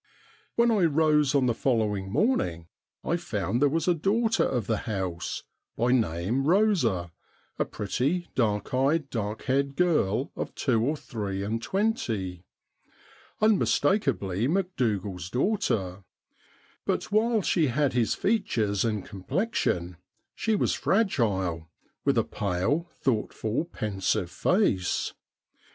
When I rose on the following morning I found there was 86 STORIES WEIRD AND WONDERFUL a daughter of the house — by name Eosa — a pretty, dark eyed, dark haired girlol two orthree and twenty. Unmistak ably Macdougal's daughter ; but, while she had his features and complexion, she was fragile, with a pale, thoughtful, pensive face.